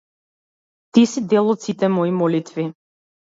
Ти си дел од сите мои молитви.